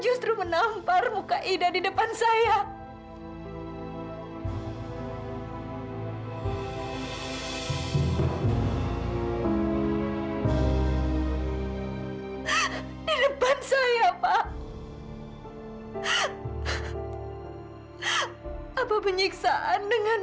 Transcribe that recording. itu tuh pantangan ibu pantangan